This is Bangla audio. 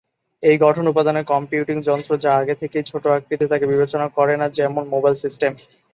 এই গঠন উপাদানে কম্পিউটিং যন্ত্র যা আগে থেকেই ছোট আকৃতির তাকে বিবেচনা করে না যেমন মোবাইল সিস্টেম।